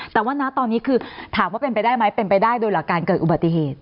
แต่ว่านะตอนนี้คือถามว่าเป็นไปได้ไหมเป็นไปได้โดยหลักการเกิดอุบัติเหตุ